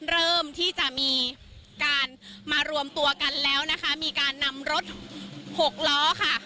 เริ่มที่จะมีการมารวมตัวกันแล้วนะคะมีการนำรถหกล้อค่ะ